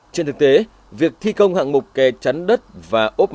trên thực tế việc thi công hạng mục kè chắn đất và ốp